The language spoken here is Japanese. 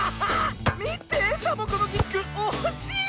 みてサボ子のキック。おしい！